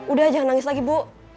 udah jangan nangis lagi bu